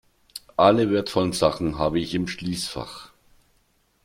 Alle wertvollen Sachen habe ich im Schließfach.